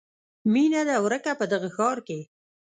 میینه ده ورکه په دغه ښار کې